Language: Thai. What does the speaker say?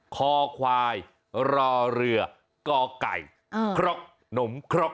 คอควายรอเรือกไก่ครกหนมครก